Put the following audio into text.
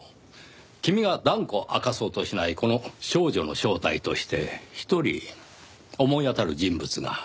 君が断固明かそうとしないこの少女の正体として一人思い当たる人物が。